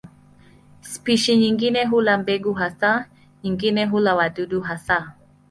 Spishi nyingine hula mbegu hasa, nyingine hula wadudu hasa.